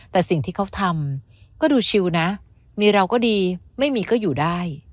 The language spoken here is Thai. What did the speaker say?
แต่สิ่งที่เขาทำก็ดูชิวนะมีเราก็ดีไม่มีก็อยู่ได้